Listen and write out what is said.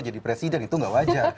jadi presiden itu nggak wajar